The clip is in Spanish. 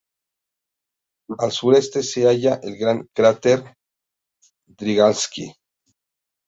Al sureste se halla el gran cráter Drygalski.